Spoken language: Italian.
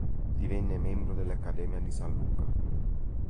Divenne membro dell'Accademia di San Luca.